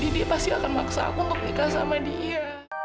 dia akan maksa aku untuk nikah sama dia